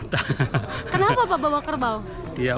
kenapa bawa kerbau